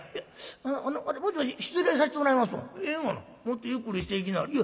もっとゆっくりしていきなはれ」。